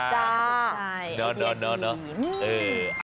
ใช่ไอเดียดี